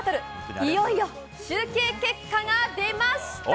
いよいよ集計結果が出ました。